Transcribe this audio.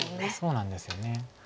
そうなんですよね。